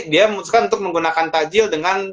dia memutuskan untuk menggunakan tajil dengan